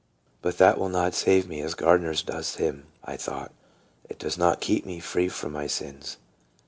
" But that will not save me as Gardner's does him," I thought ;" it does not keep me free from my sins."